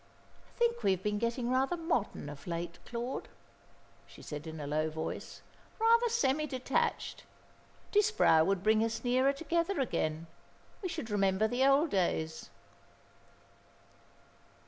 "I think we have been getting rather modern of late, Claude," she said in a low voice, "rather semi detached. Disbrowe would bring us nearer together again. We should remember the old days."